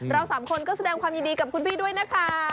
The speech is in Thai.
สามคนก็แสดงความยินดีกับคุณพี่ด้วยนะคะ